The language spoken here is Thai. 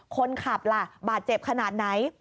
คนขับล่ะบาดเจ็บขนาดไหน